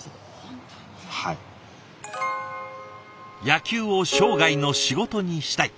「野球を生涯の仕事にしたい」。